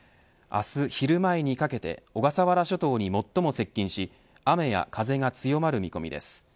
明日昼前にかけて小笠原諸島に最も接近し雨や風が強まる見込みです。